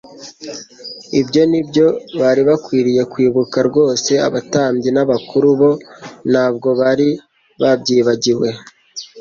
Ibyo ni byo bari bakwiriye kwibuka rwose. Abatambyi n'abakuru bo ntabwo bari babyibagiwe.